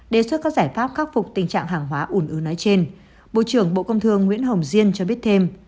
đề xuất các giải pháp khắc phục tình trạng hàng hóa ủn ứ nói trên bộ trưởng bộ công thương nguyễn hồng diên cho biết thêm